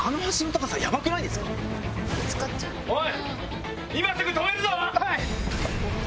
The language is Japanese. おい！